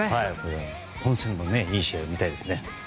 本戦でもいい試合を見たいですね。